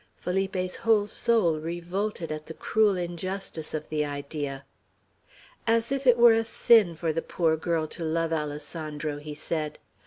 Felipe's whole soul revolted at the cruel injustice of the idea. "As if it were a sin for the poor girl to love Alessandro!" he said.